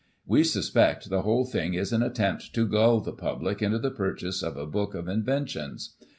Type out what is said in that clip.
We suspect the whole thing is an attempt to gull the public into the purchase of a book of inventions.